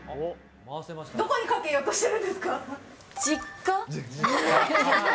どこにかけようとしてるんで実家。